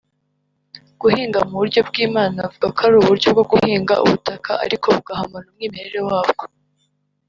Guhinga mu buryo bw’Imana” avuga ko ari uburyo bwo guhinga ubutaka ariko bugahamana umwimerere wabwo